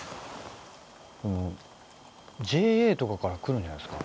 ＪＡとかから来るんじゃないですか